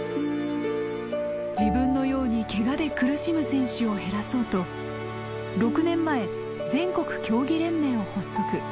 自分のようにケガで苦しむ選手を減らそうと６年前全国競技連盟を発足。